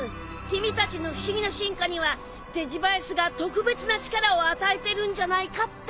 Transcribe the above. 君たちの不思議な進化にはデジヴァイスが特別な力を与えてるんじゃないかって。